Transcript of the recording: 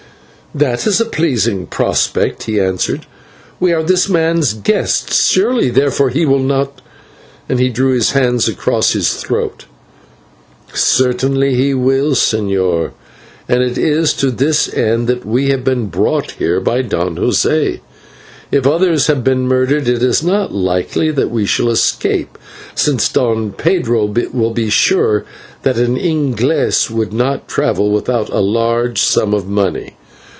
"That is a pleasing prospect," he answered, "we are this man's guests, surely therefore he will not " and he drew his hand across his throat. "Certainly he will, señor, and it is to this end that we have been brought here by Don José. If others have been murdered, it is not likely that we shall escape, since Don Pedro will be sure that an /Inglese/ would not travel without a large sum of money.